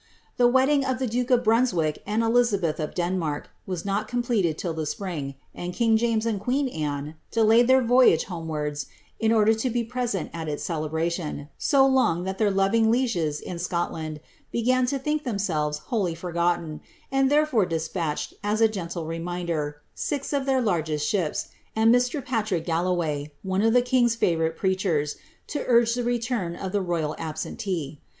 The wedding of the duke of Brunswick and Elizabeth of Denmark was not completed till the spring, and king James and queen Anne, delayed their voyage homewards in order to be present at its celebra tion, so long, that their loving lieges in Scotland began to think them selves wholly forgotten, and therefore despatched, as a gentle reminder, six of their largest ships, and 3Ir. Patrick Galloway, one of the king's fiivourite preachers,' to urge tlie return of the royal absentee.